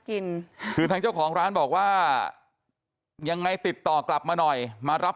กินคือทางเจ้าของร้านบอกว่ายังไงติดต่อกลับมาหน่อยมารับ